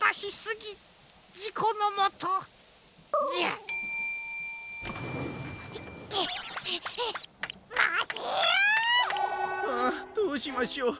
あどうしましょう。